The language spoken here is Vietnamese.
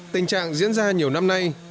tình trạng diễn ra nhiều năm nay